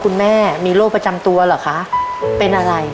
คุณแม่มีโรคประจำตัวเหรอคะเป็นอะไร